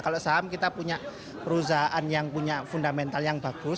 kalau saham kita punya perusahaan yang punya fundamental yang bagus